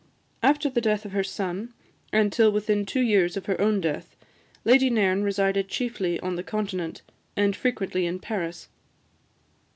After the death of her son, and till within two years of her own death, Lady Nairn resided chiefly on the Continent, and frequently in Paris.